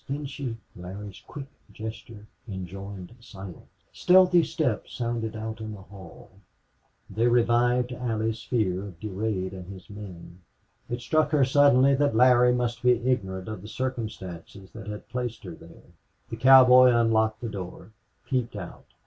Then she " Larry's quick gesture enjoined silence. Stealthy steps sounded out in the hall. They revived Allie's fear of Durade and his men. It struck her suddenly that Larry must be ignorant of the circumstances that had placed her there. The cowboy unlocked the door peeped out.